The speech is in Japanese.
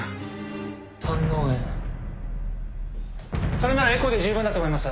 それならエコーで十分だと思います